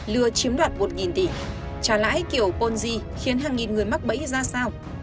lừa chiếm đoạt một tỷ trả lãi kiểu poly khiến hàng nghìn người mắc bẫy ra sao